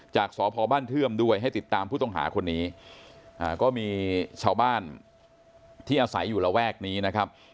จากสพบ้านเทื่อมด้วยให้ติดตามผู้ต้องหาคนนี้ก็มีชาวบ้านที่อาศัยอยู่ระแวกนี้นะครับ